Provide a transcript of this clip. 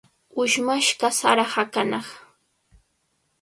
Ushmashqa sara hakanaq.